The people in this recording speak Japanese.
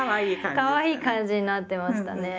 かわいい感じになってましたね。